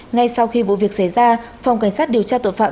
ngay sau khi vụ việc xảy ra phòng cảnh sát điều tra tội phạm